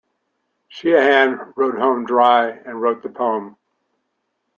Sheahan rode home dry and wrote the poem.